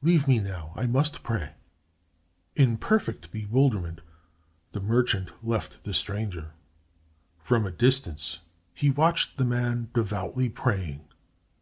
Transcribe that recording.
Leave me now. I must pray." In perfect bewilderment, the merchant left the stranger. From a distance he watched the man devoutly praying.